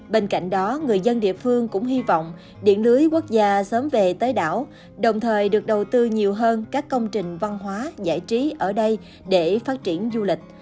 bên cạnh đó người dân địa phương cũng hy vọng điện lưới quốc gia sớm về tới đảo đồng thời được đầu tư nhiều hơn các công trình văn hóa giải trí ở đây để phát triển du lịch